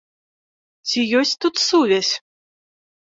Ці есць тут сувязь?